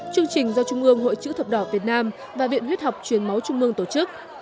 chương trình do trung ương hội chữ thập đỏ việt nam và viện huyết học truyền máu trung ương tổ chức